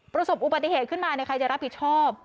ประสบอุบัติเหตุขึ้นมาใครจะรับผิดชอบ